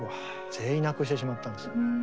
全員亡くしてしまったんですよ。